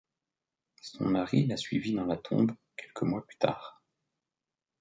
Son mari la suivit dans la tombe quelques mois plus tard.